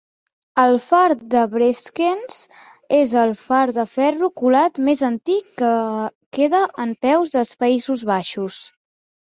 El far de Breskens és el far de ferro colat més antic que queda en peus dels Països Baixos.